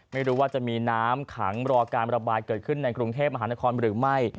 ไม่รู้ว่าจะมีน้ำขังรอการระบายเกิดขึ้นในกรุงเทพมหานครหรือไม่